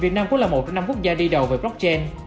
việt nam cũng là một trong năm quốc gia đi đầu với blockchain